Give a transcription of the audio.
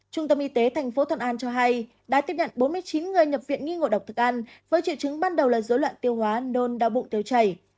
trung tâm y tế tp thuận an cho hay đã tiếp nhận bốn mươi chín người nhập viện nghi ngộ độc thực ăn với triệu chứng ban đầu là dối loạn tiêu hóa nôn đau bụng tiêu chảy